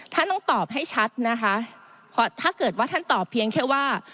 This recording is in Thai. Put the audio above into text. ท่านต้องตอบให้ชัดนะคะเพราะถ้าเกิดว่าท่านตอบเพียงแค่ว่า